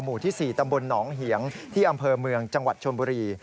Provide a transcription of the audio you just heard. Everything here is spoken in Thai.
หมู่ที่๔ตำบลหนองเหียงที่อำเภอเมืองจังหวัดชนบุรี